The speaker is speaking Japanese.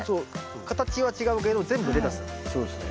形は違うけど全部レタスなの。